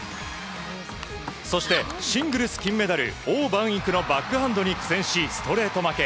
そして、シングルス金メダルオウ・バンイクのバックハンドに苦戦しストレート負け。